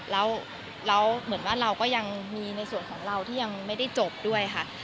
แล้วเหมือนว่าเราก็ยังมีในส่วนของเราที่ยังไม่ได้จบด้วยค่ะ